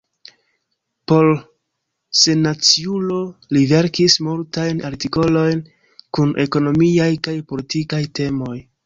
Por Sennaciulo li verkis multajn artikolojn kun ekonomiaj kaj politikaj temoj.